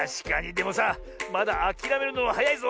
でもさまだあきらめるのははやいぞ！